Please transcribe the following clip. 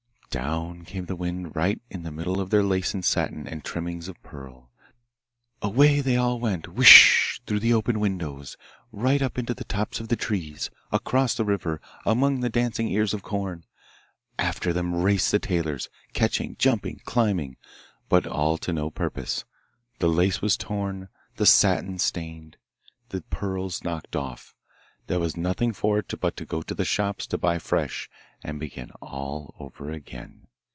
Down came the Wind right in the middle of their lace and satin and trimmings of pearl! Away they all went whiz! through the open windows, right up into the tops of the trees, across the river, among the dancing ears of corn! After them ran the tailors, catching, jumping, climbing, but all to no purpose! The lace was torn, the satin stained, the pearls knocked off! There was nothing for it but to go to the shops to buy fresh, and to begin all over again!